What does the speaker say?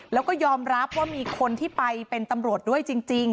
แล้วก็ยอมรับว่ามีคนที่ไปเป็นตำรวจด้วยจริง